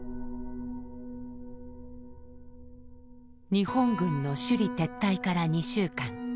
日本軍の首里撤退から２週間。